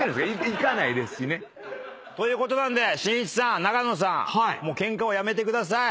行かないですしね。ということなんでしんいちさん永野さんケンカやめてください。